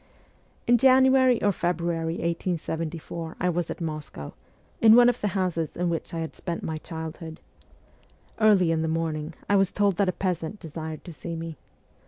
In January or February 1874 I was at Moscow, in one of the houses in which I had spent my childhood. Early in the morning I was told that a peasant desired to see me.